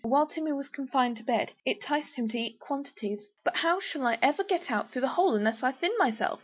While Timmy was confined to bed, it 'ticed him to eat quantities "But how shall I ever get out through that hole unless I thin myself?